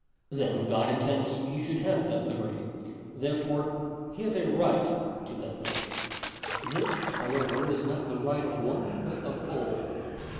Then God intends he should have that liberty. There J fore he has a right to that liberty. §3. This, however, is not the right of one but of all.